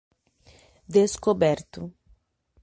Descoberto